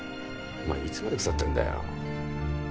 お前いつまで腐ってんだよ。